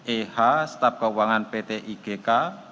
eh staf keuangan ptigk